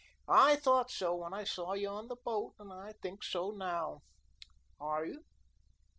I thought so when I saw you on the boat, and I think so now. Are you?